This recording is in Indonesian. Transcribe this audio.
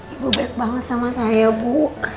ibu baik banget sama saya bu